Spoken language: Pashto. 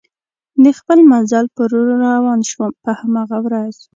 د خپل مزل په لور روان شوم، په هماغه ورځ.